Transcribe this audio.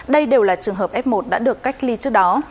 đây đều là trường hợp f một đã được cách ly trước đó